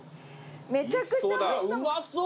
めちゃくちゃおいしそう。